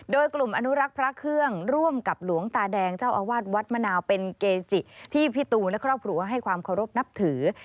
โดยกลุ่มอนุรักษ์พระเครื่องร่วมกับหลวงตาแดงเจ้าอาวาสวัดมะนาวเป็นเกจิที่พี่ตูนและครอบครัวให้ความเคารพนับถือ